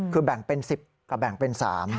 คือแบ่งเป็น๑๐กับแบ่งเป็น๓